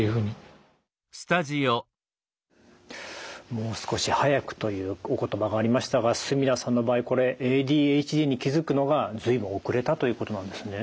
もう少し早くというお言葉がありましたが墨田さんの場合これＡＤＨＤに気付くのが随分遅れたということなんですね。